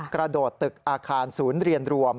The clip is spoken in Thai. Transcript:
กระโดดตึกอาคารศูนย์เรียนรวม